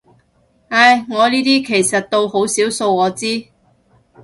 唉，我依啲其實到好少數我知